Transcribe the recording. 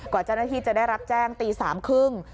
เจ้าหน้าที่จะได้รับแจ้งตี๓๓๐